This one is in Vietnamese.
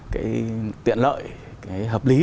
cái tiện lợi cái hợp lý